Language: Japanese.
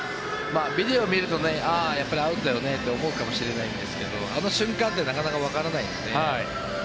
ビデオを見るとやっぱりアウトだよねと思うかもしれないんですけどあの瞬間ってなかなかわからないので。